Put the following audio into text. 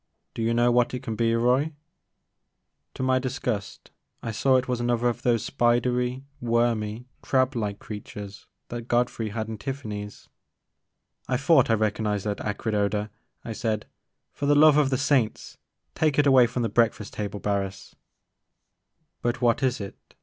Do you know what it can be, Roy ?To my disgust I saw it was another of those spidery wormy crablike creatures that Godfrey had in TiflFany*s. I thought I recognized that acrid odor," I said ;for the love of the Saints take it away from the breakfast table, Barris I '* But what is it?'